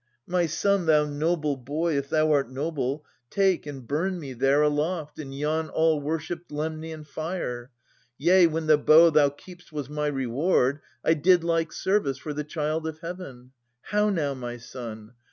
— My son, thou noble boy, If thou art noble, take and burn me there 800 820] Philodetes 295 Aloft in yon all worshipped Lemnian fire ! Yea, when the bow thou keep'st was my reward, I did like service for the child of Heaven. How now, my son?